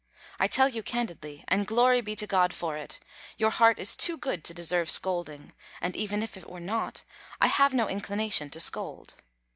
I tell you candidly, and glory be to God for it, your heart is too good to deserve scolding, and even if it were not, I have no inclination to scold.